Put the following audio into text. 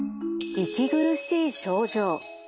息苦しい症状。